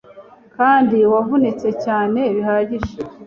kandi wavunitse cyane bihagije